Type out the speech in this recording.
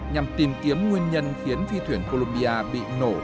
nhằm tìm kiếm nguyên nhân khiến phi thuyền columbia bị nổ